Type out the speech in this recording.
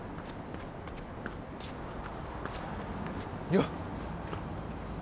よっ！